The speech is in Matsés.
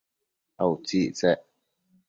a utsictsec?